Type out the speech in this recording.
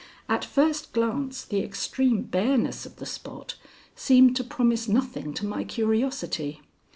At first glance the extreme bareness of the spot seemed to promise nothing to my curiosity.